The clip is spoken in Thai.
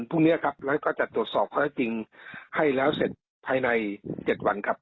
และร่วมก็จัดตรวจสอบข้อที่จริงให้เสร็จภายใน๗วันค่ะ